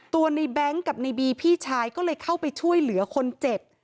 ในแบงค์กับในบีพี่ชายก็เลยเข้าไปช่วยเหลือคนเจ็บ